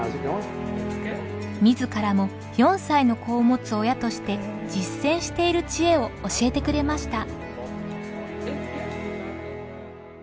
自らも４歳の子を持つ親として実践しているチエを教えてくれました。